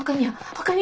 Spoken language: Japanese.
⁉他に？